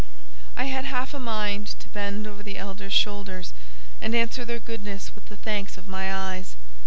I had half a mind to bend over the elders' shoulders, and answer their goodness with the thanks of my eyes.